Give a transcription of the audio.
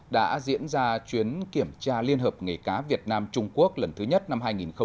đã diễn ra chuyến kiểm tra liên hợp nghề cá việt nam trung quốc lần thứ nhất năm hai nghìn hai mươi